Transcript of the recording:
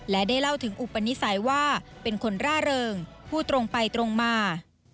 และได้เล่าถึงอุปนิสัยว่าเป็นคนร่าเริงพูดตรงไปตรงมา